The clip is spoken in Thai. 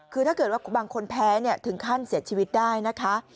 คือถ้าเกิดว่าบางคนแพ้ถึงขั้นเสียชีวิตได้นะคะ